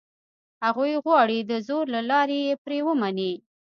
هغوی غواړي دزور له لاري یې پرې ومني.